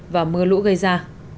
và mưa lũ gây ra